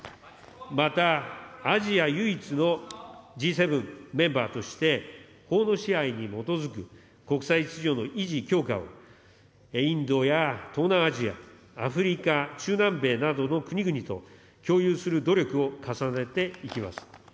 また、アジア唯一のＧ７メンバーとして、法の支配に基づく国際秩序の維持・強化をインドや東南アジア、アフリカ、中南米などの国々と共有する努力を重ねていきます。